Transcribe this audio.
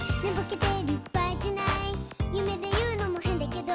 「ゆめでいうのもへんだけど」